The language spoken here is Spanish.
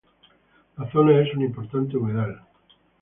La zona es un importante humedales.